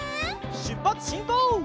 しゅっぱつしんこう！